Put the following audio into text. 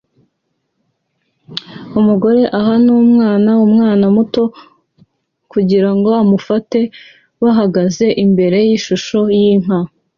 Umugore aha umwana umwana muto kugirango amufate bahagaze imbere yishusho yinka